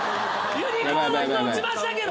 ユニコーンの角落ちましたけど。